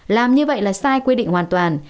làm như vậy là sai quy định hoàn toàn